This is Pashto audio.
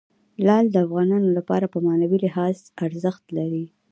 لعل د افغانانو لپاره په معنوي لحاظ ارزښت لري.